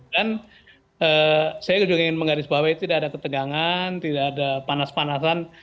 dan saya juga ingin menggaris bahwa tidak ada ketegangan tidak ada panas panasan